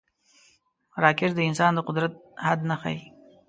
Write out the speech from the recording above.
راکټ د انسان د قدرت حد نه ښيي